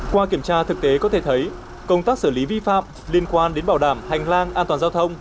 qua kiểm tra thực tế có thể thấy công tác xử lý vi phạm liên quan đến bảo đảm hành lang an toàn giao thông